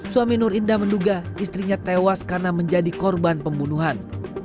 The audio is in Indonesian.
suami nur indah menduga istrinya tewas karena menjadi korban pembunuhan